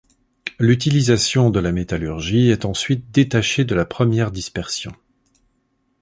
L'utilisation de la métallurgie est ensuite détachée de la première dispersion.